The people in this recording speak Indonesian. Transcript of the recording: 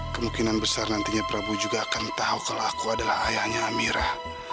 kemungkinan besar nantinya prabu juga akan tahu kalau aku adalah ayahnya amirah